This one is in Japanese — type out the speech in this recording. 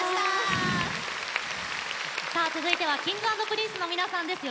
さあ続いてはＫｉｎｇ＆Ｐｒｉｎｃｅの皆さんです。